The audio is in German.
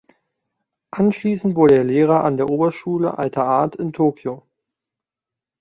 Anschließend wurde er Lehrer an der Oberschule alter Art in Tokio.